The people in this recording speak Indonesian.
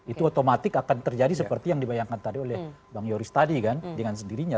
itu otomatis akan terjadi seperti yang dibayangkan tadi oleh bang yoris tadi kan dengan sendirinya